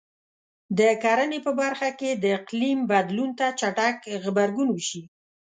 د کرنې په برخه کې د اقلیم بدلون ته چټک غبرګون وشي.